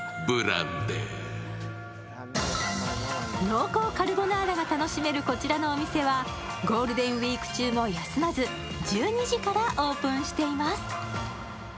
濃厚カルボナーラが楽しめるこちらのお店は、ゴールデンウイーク中も休まず１２時からオープンしています。